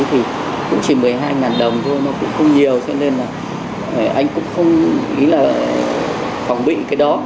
thì cũng chỉ một mươi hai đồng thôi nó cũng không nhiều cho nên là anh cũng không nghĩ là phòng bị cái đó